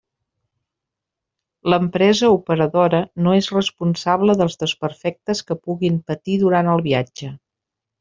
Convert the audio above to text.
L'empresa operadora no és responsable dels desperfectes que puguin patir durant el viatge.